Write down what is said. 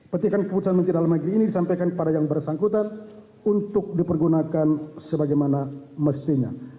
petikan keputusan menteri dalam negeri ini disampaikan kepada yang bersangkutan untuk dipergunakan sebagaimana mestinya